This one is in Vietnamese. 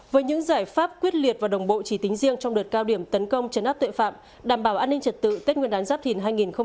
với những giải pháp quyết liệt và đồng bộ chỉ tính riêng trong đợt cao điểm tấn công chấn áp tuệ phạm đảm bảo an ninh trật tự tết nguyên đán giáp thìn hai nghìn hai mươi bốn